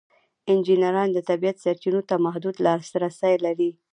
انجینران د طبیعت سرچینو ته محدود لاسرسی لري.